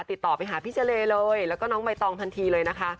ติดต่อไปหาพี่เจรเลยแล้วก็น้องใบตองทันทีเลยนะคะ